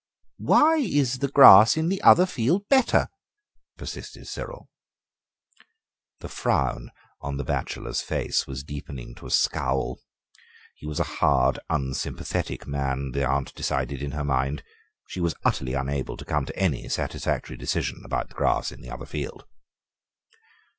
"Why is the grass in the other field better?" persisted Cyril. The frown on the bachelor's face was deepening to a scowl. He was a hard, unsympathetic man, the aunt decided in her mind. She was utterly unable to come to any satisfactory decision about the grass in the other field.